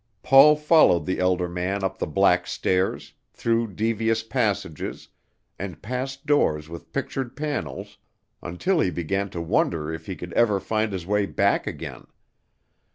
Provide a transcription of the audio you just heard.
Paul followed the elder man up the black stairs, through devious passages, and past doors with pictured panels, until he began to wonder if he could ever find his way back again.